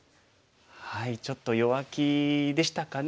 ちょっと弱気でしたかね。